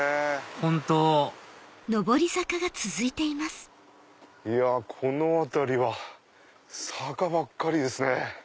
本当この辺りは坂ばっかりですね。